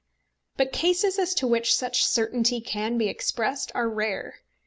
But cases as to which such certainty can be expressed are rare.